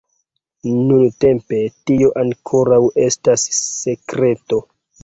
Nuntempe, tio ankoraŭ estas sekreto!